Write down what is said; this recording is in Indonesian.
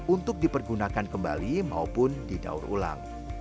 untuk dipergunakan kembali maupun didaur ulang